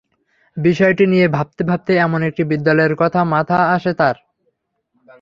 বিষয়টি নিয়ে ভাবতে ভাবতে এমন একটি বিদ্যালয়ের কথা মাথা আসে তাঁর।